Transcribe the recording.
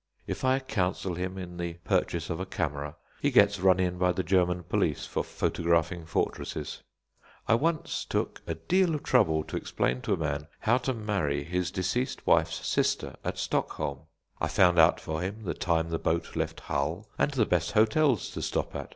If I counsel him in the purchase of a camera, he gets run in by the German police for photographing fortresses. I once took a deal of trouble to explain to a man how to marry his deceased wife's sister at Stockholm. I found out for him the time the boat left Hull and the best hotels to stop at.